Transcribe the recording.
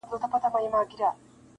که شرط د یار وي قاسم یاره په منلو ارزي-